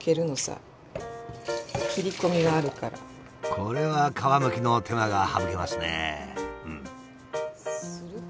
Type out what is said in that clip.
これは皮むきの手間が省けますね！